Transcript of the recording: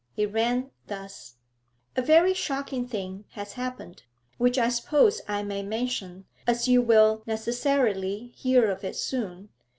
It ran thus: 'A very shocking thing has happened, which I suppose I may mention, as you will necessarily hear of it soon.